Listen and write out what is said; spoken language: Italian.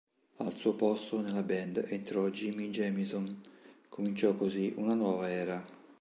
Al suo posto nella band entrò Jimi Jamison, cominciò così una nuova era.